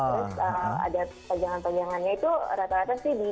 terus ada pajangan pajangannya itu rata rata sih di